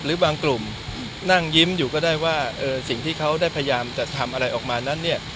หรือบางกลุ่มนั่งยิ้มอยู่ก็ได้ว่าสิ่งที่เขาได้พยายามจะทำอะไรออกมานั้นเนี่ย